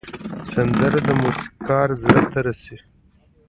سندره د موسیقار زړه ته رسي